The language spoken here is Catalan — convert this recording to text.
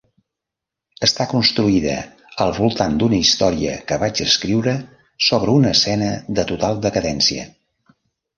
Està construïda al voltant d'una història que vaig escriure sobre una escena de total decadència.